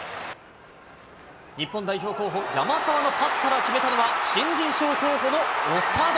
日本代表候補、山沢のパスから決めたのは、新人賞候補の長田。